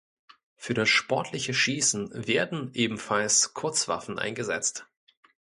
Für das sportliche Schießen werden ebenfalls Kurzwaffen eingesetzt.